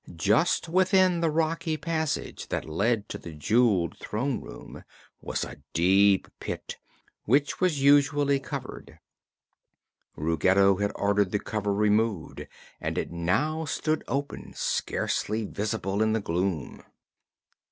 Just within the rocky passage that led to the jeweled throne room was a deep pit, which was usually covered. Ruggedo had ordered the cover removed and it now stood open, scarcely visible in the gloom.